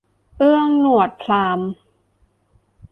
เอื้องหนวดพราหมณ์